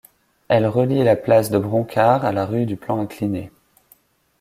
Elle relie la place de Bronckart à la rue du Plan Incliné.